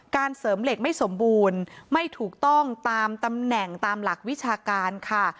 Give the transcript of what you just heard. เสริมเหล็กไม่สมบูรณ์ไม่ถูกต้องตามตำแหน่งตามหลักวิชาการค่ะ